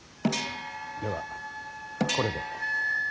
ではこれで。